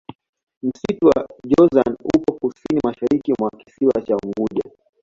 msitu wa jozani upo kusini mashariki mwa kisiwa cha unguja